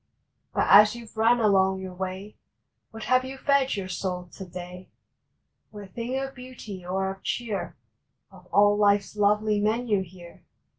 But as you ve run along your way What have you fed your soul to day? What thing of beauty or of cheer Of all life s lovely menu here?